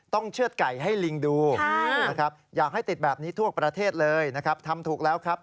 เชื่อดไก่ให้ลิงดูนะครับอยากให้ติดแบบนี้ทั่วประเทศเลยนะครับทำถูกแล้วครับ